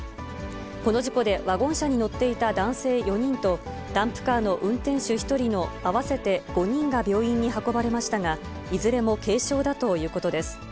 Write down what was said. この事故でワゴン車に乗っていた男性４人と、ダンプカーの運転手１人の合わせて５人が病院に運ばれましたが、いずれも軽傷だということです。